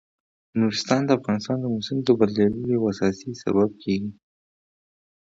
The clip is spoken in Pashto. نورستان د افغانستان د موسم د بدلون یو اساسي سبب کېږي.